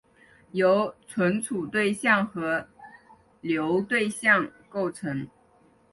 由存储对象和流对象构成。